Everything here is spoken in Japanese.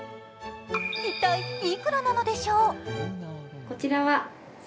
一体、いくらなのでしょう？